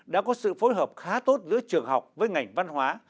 đã có sự phối hợp khá tốt giữa trường học với ngành văn hóa